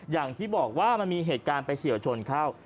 อย่างที่บอกว่ามันมีเหตุการณ์ไปเฉียวชนเข้า